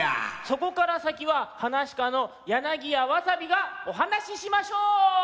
そこからさきははなしかのやなぎやわさびがおはなししましょう！